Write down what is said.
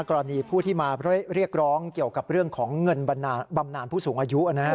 กรณีผู้ที่มาเรียกร้องเกี่ยวกับเรื่องของเงินบำนานผู้สูงอายุ